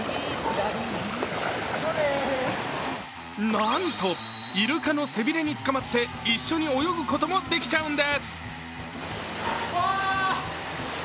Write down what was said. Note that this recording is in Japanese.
なんとイルカの背びれにつかまって一緒に泳ぐこともできちゃうんです。